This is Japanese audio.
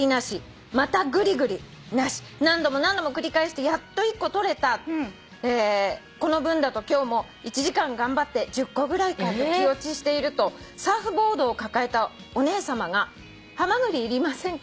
なし」「何度も何度も繰り返してやっと１個採れた」「この分だと今日も１時間頑張って１０個ぐらいかと気落ちしているとサーフボードを抱えたお姉さまが『ハマグリいりませんか？